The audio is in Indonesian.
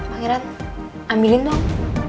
pangeran ambilin dong